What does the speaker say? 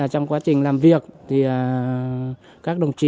trong quá trình làm việc thì các đồng chí